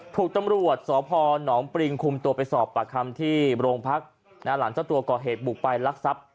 ถูกตำรวจสพหนองปริงคุมตัวไปสอบปรักคำที่โรงพักษณ์หลังจากตัวก่อเหตุบุปรายลักษัพ